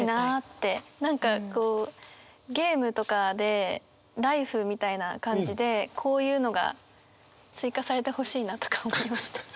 何かこうゲームとかでライフみたいな感じでこういうのが追加されてほしいなとか思いました。